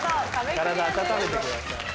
体温めてください。